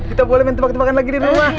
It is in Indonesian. kita boleh minta bak ketepakan lagi di rumah